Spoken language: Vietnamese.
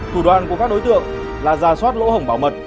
thủ đoàn của các đối tượng là giả soát lỗ hồng bảo mật